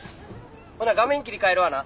「ほな画面切り替えるわな」。